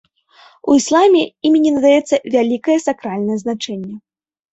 У ісламе імені надаецца вялікае сакральнае значэнне.